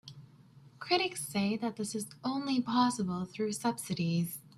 Critics say that this is only possible through subsidies.